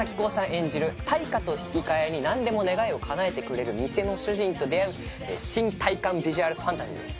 演じる対価と引き換えに何でも願いをかなえてくれる「ミセ」の主人と出会う新体感ビジュアルファンタジーです